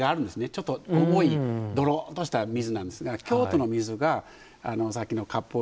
ちょっと重いどろっとした水なんですが京都の水がさっきのかっぽう